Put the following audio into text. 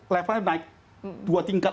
levelnya naik dua tingkat